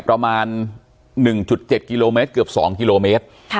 ประมาณ๑๗กิโลเมตรเกือบ๒กิโลเมตร